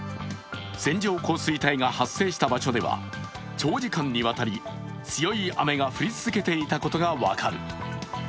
線状降水帯が発生した場所では長時間にわたり強い雨が降り続けていたことが分かる。